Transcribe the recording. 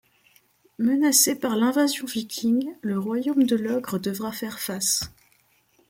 Menacé par l'invasion viking, le royaume de Logres devra faire face.